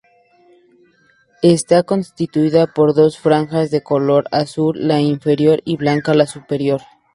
Está constituida por dos franjas, de color azul la inferior y blanca la superior.